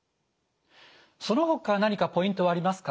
そのほか何かポイントはありますか？